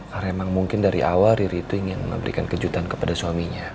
karena emang mungkin dari awal riri itu ingin memberikan kejutan kepada suaminya